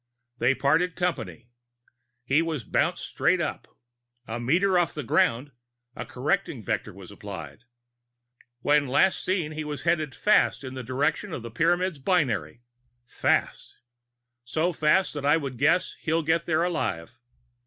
They parted company. He was bounced straight up. A meter off the ground, a correcting vector was applied. When last seen, he was headed fast in the direction of the Pyramids' binary fast! So fast that I would guess he'll get there alive.